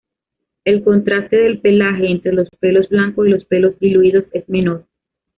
El contraste del pelaje, entre los pelos blancos y los pelos diluidos es menor.